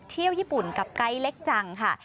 เที่ยวญี่ปุ่นกับไกด์เล็กจังค่ะ